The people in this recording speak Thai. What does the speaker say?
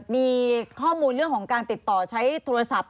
มีข้อมูลเรื่องของการติดต่อใช้โทรศัพท์